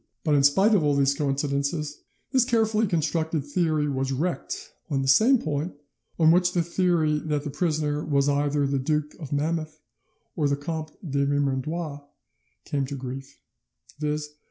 But in spite of all these coincidences, this carefully constructed theory was wrecked on the same point on which the theory that the prisoner was either the Duke of Monmouth or the Comte de Vermandois came to grief, viz.